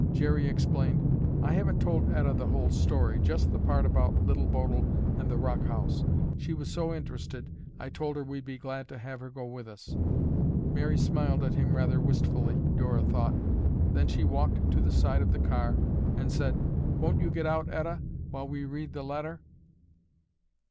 Jerry explained, "I haven't told Etta the whole story, just the part about Little Bodil and the rock house. She was so interested, I told her we'd be glad to have her go with us." Mary smiled at him rather wistfully, Dora thought. Then she walked to the side of the car and said, "Won't you get out, Etta, while we read the letter?"